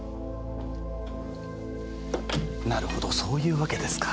なるほどそういうわけですか。